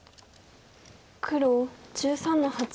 黒１３の八。